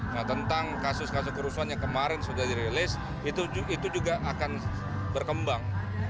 nah tentang kasus kasus kerusuhan yang kemarin sudah dirilis itu juga akan berkembang